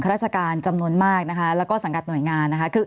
ราชการจำนวนมากนะคะแล้วก็สังกัดหน่วยงานนะคะ